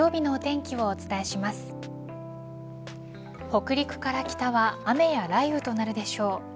北陸から北は雨や雷雨となるでしょう。